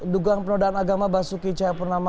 dugaan penodaan agama basuki cahayapurnama